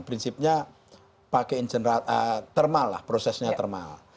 prinsipnya pakai in general termal lah prosesnya termal